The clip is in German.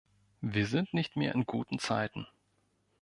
Wir sind nicht mehr in guten Zeiten.